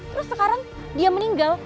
terus sekarang dia meninggal